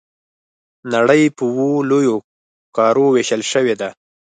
نړۍ په اووه لویو قارو وېشل شوې ده.